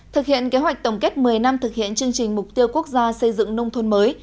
thực hiện kế hoạch tổng kết một mươi năm thực hiện chương trình mục tiêu quốc gia xây dựng nông thôn mới